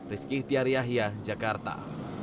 rizky tiar yahya jakarta